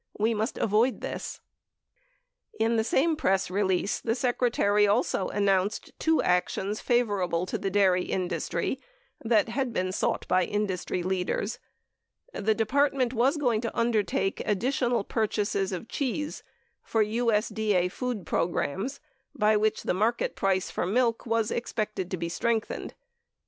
We must avoid this. 94 In the same press release, the Secretary also announced two actions favorable to the dairy industry that had been sought by industry leaders : The Department was going to undertake additional purchases of cheese for USDA food programs by which the market price for milk was expected to be "strengthened."